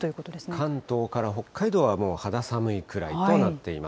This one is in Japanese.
関東から北海道はもう肌寒いくらいとなっています。